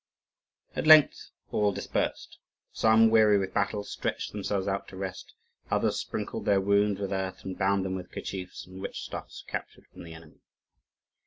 At length all dispersed. Some, weary with battle, stretched themselves out to rest; others sprinkled their wounds with earth, and bound them with kerchiefs and rich stuffs captured from the enemy.